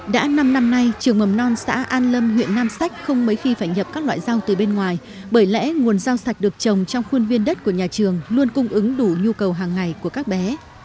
đã năm năm nay trường mầm non xã an lâm huyện nam sách không mấy khi phải nhập các loại rau từ bên ngoài bởi lẽ nguồn rau sạch được trồng trong khuôn viên đất của nhà trường luôn cung ứng đủ nhu cầu hàng ngày của các bé